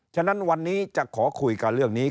ฉะนั้นวันนี้จะขอคุยกับเรื่องนี้